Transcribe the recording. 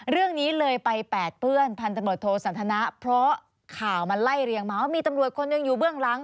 เรื่องนี้เลยไปแปดเปื้อนพันตำรวจโทสันทนะเพราะข่าวมันไล่เรียงมาว่ามีตำรวจคนหนึ่งอยู่เบื้องหลัง